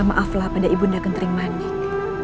maaf lah pada ibu nda gentering manik